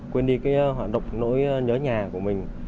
quên đi cái hoạt động nỗi nhớ nhà của mình